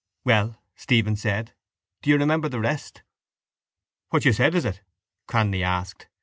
—Well? Stephen said. Do you remember the rest? —What you said, is it? Cranly asked.